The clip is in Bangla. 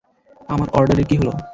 আমার অর্ডারের কী হলো?